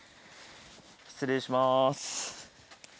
失礼します。